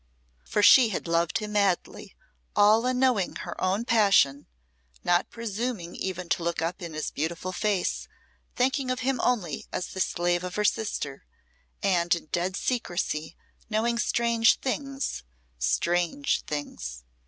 For she had loved him madly, all unknowing her own passion, not presuming even to look up in his beautiful face, thinking of him only as the slave of her sister, and in dead secrecy knowing strange things strange things!